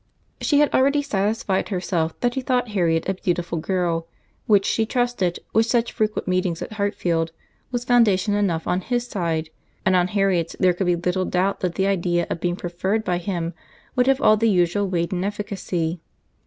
She had already satisfied herself that he thought Harriet a beautiful girl, which she trusted, with such frequent meetings at Hartfield, was foundation enough on his side; and on Harriet's there could be little doubt that the idea of being preferred by him would have all the usual weight and efficacy.